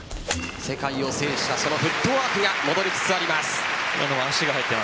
世界を制したフットワークが戻りつつあります。